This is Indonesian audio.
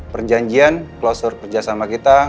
perjanjian klausur kerja sama kita